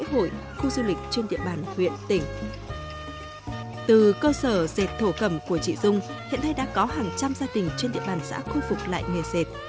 từ cơ sở dệt thổ cầm của chị dung hiện nay đã có hàng trăm gia đình trên địa bàn xã khôi phục lại nghề dệt